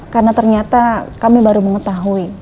karena ternyata kami baru mengetahui